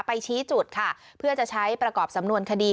ชี้จุดค่ะเพื่อจะใช้ประกอบสำนวนคดี